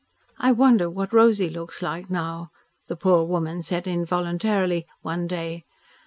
"I wonder what Rosy looks like now," the poor woman said involuntarily one day.